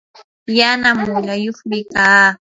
yana mulayuqmi kaa.